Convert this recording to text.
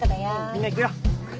みんな行くよ。